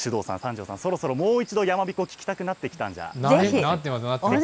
首藤さん、三條さん、そろそろもう一度やまびこ、聞きたくなってなってます。